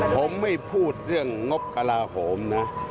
ผมไม่พูดเรื่องงบกระลาโหมนะ